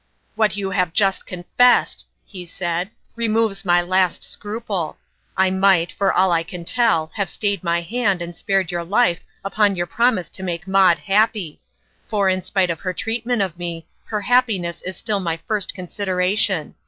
"What you have just confessed," he said, " removes my last scruple. I might, for all I can tell, have stayed my hand and spared your life upon your promise to make Maud happy ; for, in spite of her treatment of me, her happi ness is still my first consideration.